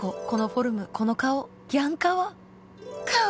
このフォルム、この顔ギャンかわ。